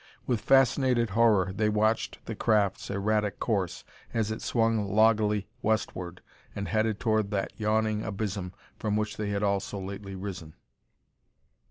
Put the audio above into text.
With fascinated horror, they watched the craft's erratic course, as it swung loggily westward and headed toward that yawning abysm from which they had all so lately risen.